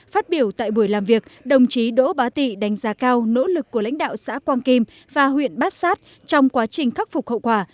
phát biểu tại buổi làm việc đồng chí đỗ bá tị đánh giá cao nỗ lực của lãnh đạo xã quang kim và huyện bát sát trong quá trình khắc phục hậu quả